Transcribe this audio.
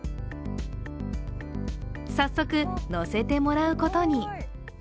早速、乗せてもらうことに。